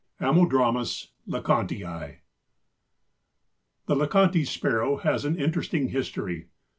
(Ammodramus leconteii.) The Leconte's Sparrow has an interesting history.